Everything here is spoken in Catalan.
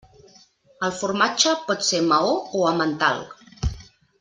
El formatge pot ser maó o emmental.